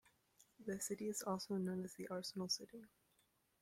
The city is also known as "the Arsenal City".